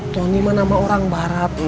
tony mah nama orang barat neng